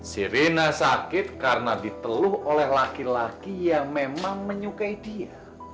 sirina sakit karena diteluh oleh laki laki yang memang menyukai dia